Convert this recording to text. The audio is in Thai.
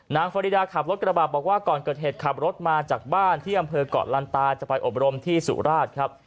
ฟอริดาขับรถกระบะบอกว่าก่อนเกิดเหตุขับรถมาจากบ้านที่อำเภอกเกาะลันตาจะไปอบรมที่สุราชครับ